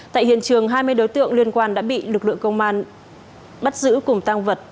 tại hiện trường hai mươi đối tượng liên quan đã bị lực lượng công an bắt giữ cùng tăng vật